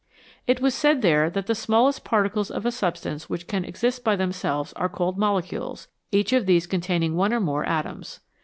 It was said there that the smallest particles of a substance which can exist by themselves are called mole cules, each of these containing one or more atoms.